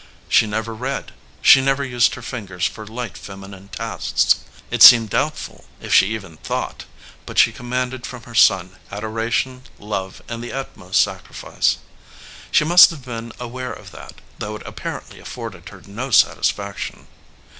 She never read ; she never used her fingers for light feminine tasks. It seemed doubt ful if she even thought, but she commanded from her son adoration, love, and the utmost sacrifice. She must have been aware of that, though it appa rently afforded her no satisfaction.